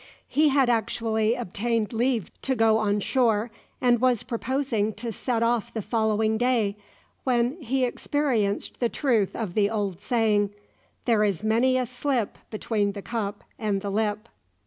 He had actually obtained leave to go on shore, and was proposing to set off the following day, when he experienced the truth of the old saying, "There is many a slip between the cup and the lip."